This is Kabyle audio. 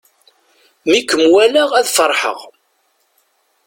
Mi kem-walaɣ ad feṛḥeɣ.